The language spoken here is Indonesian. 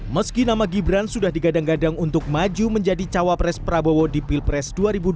meski nama gibran sudah digadang gadang untuk maju menjadi cawapres prabowo di pilpres dua ribu dua puluh